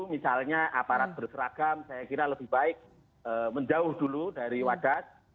dulu misalnya aparat berkeragam saya kira lebih baik menjauh dulu dari wadah